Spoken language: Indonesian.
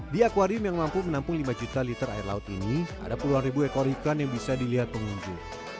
di akwarium yang mampu menampung lima juta liter air laut ini ada puluhan ribu ekor ikan yang bisa dilihat pengunjung